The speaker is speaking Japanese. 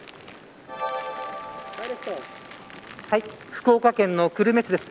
福岡県の久留米市です。